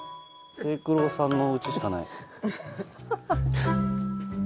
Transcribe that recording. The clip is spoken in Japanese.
清九郎さんのおうちしかない。